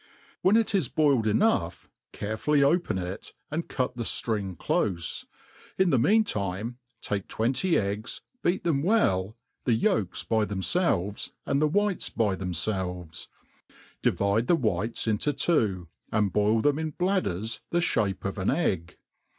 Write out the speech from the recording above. When it is boiled enough^ carefully open it, and cut the ftring clofe. In the mean time take twenty eggs, beat them well,, the yolks by themfelves, and the whites by themfelves ; divide the whites into two, and boil them in bladders the fhape of. an egg.